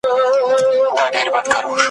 د ابليس د اولادونو شيطانانو ,